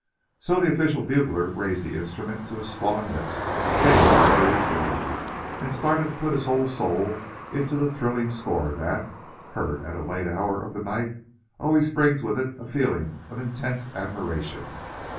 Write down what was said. So the official bugler raised the instrument to his swollen lips, game to do his duty; and started to put his whole soul into the thrilling score that, heard at a late hour of the night, always brings with it a feeling of intense admiration.